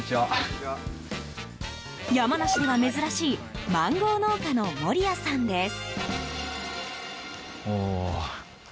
山梨では珍しいマンゴー農家の守屋さんです。